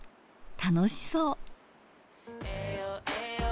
楽しそう。